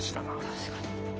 確かに。